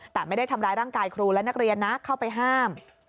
แต่ไม่ได้ทำร้ายร่างกายครูและนักเรียนนะเข้าไปห้าม